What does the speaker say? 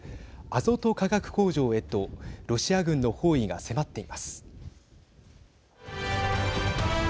アゾト化学工場へとロシア軍の包囲が迫っています。